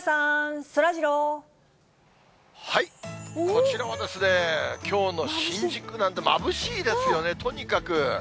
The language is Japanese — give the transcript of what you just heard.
こちらは、きょうの新宿なんですが、まぶしいですね、とにかく。